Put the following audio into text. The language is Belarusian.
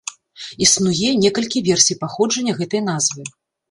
Існуе некалькі версій паходжання гэтай назвы.